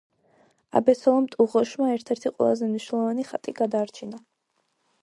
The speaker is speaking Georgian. აბესალომ ტუღუშმა ერთ- ერთი ყველაზე მნიშვნელოვანი ხატი გადაარჩინა.